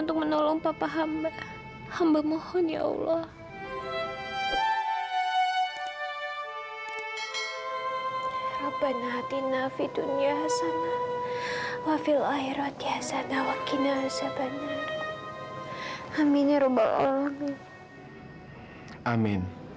kepada dia lagi disini